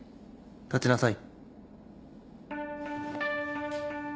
立ちなさい。